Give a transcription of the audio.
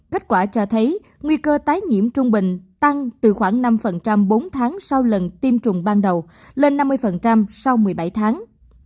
kết quả cho thấy nguy cơ tái nhiễm trung bình tăng từ khoảng năm bốn tháng sau lần tiêm chủng ban đầu lên năm mươi sau một mươi bảy tháng